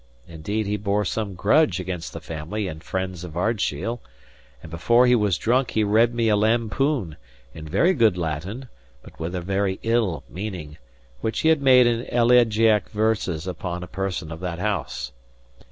Indeed, he bore some grudge against the family and friends of Ardshiel, and before he was drunk he read me a lampoon, in very good Latin, but with a very ill meaning, which he had made in elegiac verses upon a person of that house.